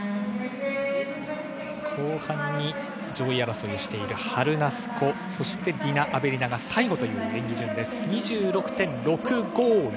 後半に上位争いをしているハルナスコ、ディナ・アベリナが最後という演技順です。２６．６５０。